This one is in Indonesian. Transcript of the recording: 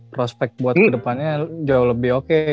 prospek buat kedepannya jauh lebih oke